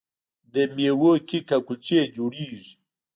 د میوو کیک او کلچې جوړیږي.